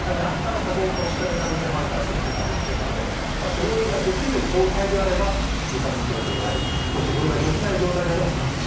同意ができる状態であれば自殺ほう助であり同意ができない状態であれば殺人